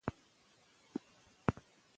که برېښنا ارزانه وي خلک به ګټه واخلي.